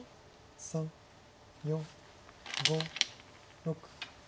３４５６。